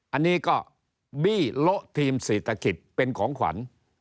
อันนี้ก็บี้โละทีมเศรษฐกิจเป็นของขวัญ